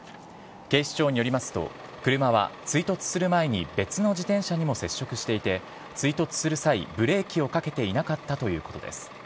警視庁によりますと車は追突する前に別の自転車にも接触していて追突する際ブレーキをかけていなかったということです。